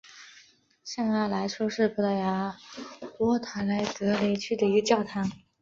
圣阿莱舒是葡萄牙波塔莱格雷区的一个堂区。